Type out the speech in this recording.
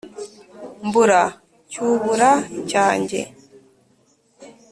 mbura cyubura cya njye